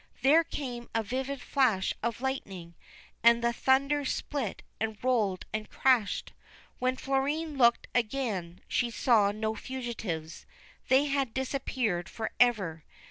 There came a vivid flash of lightning, and the thunder split and rolled and crashed. When Florine looked again she saw no fugitives : they had disappeared for ever.